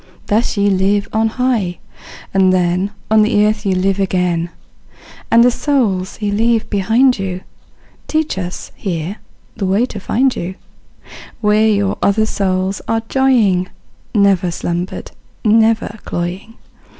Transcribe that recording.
Thus ye live on high, and then On the earth ye live again; And the souls ye left behind you Teach us, here, the way to find you, Where your other souls are joying, Never slumber'd, never cloying.